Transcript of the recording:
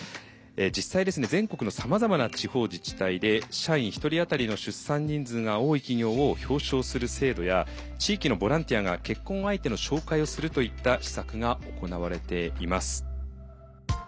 実際全国のさまざまな地方自治体で社員１人あたりの出産人数が多い企業を表彰する制度や地域のボランティアが結婚相手の紹介をするといった施策が行われています。